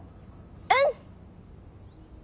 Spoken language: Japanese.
うん！